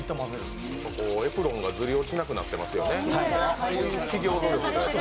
エプロンがずり落ちなくなってますよね、企業努力で。